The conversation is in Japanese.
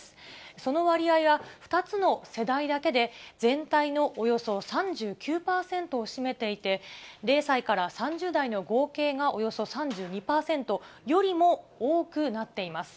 その割合は２つの世代だけで全体のおよそ３９％を占めていて、０歳から３０代の合計がおよそ３２％よりも多くなっています。